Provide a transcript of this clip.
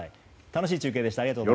楽しい中継でした。